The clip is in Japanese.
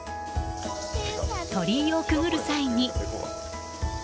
鳥居をくぐる際に。